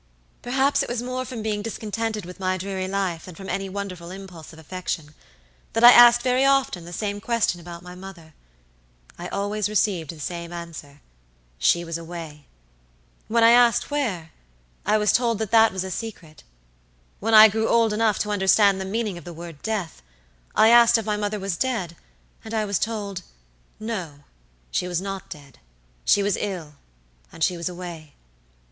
"Perhaps it was more from being discontented with my dreary life than from any wonderful impulse of affection, that I asked very often the same question about my mother. I always received the same answershe was away. When I asked where, I was told that that was a secret. When I grew old enough to understand the meaning of the word death, I asked if my mother was dead, and I was told'No, she was not dead; she was ill, and she was away.'